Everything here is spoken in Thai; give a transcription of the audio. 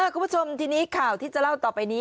คุณผู้ชมทีนี้ข่าวที่จะเล่าต่อไปนี้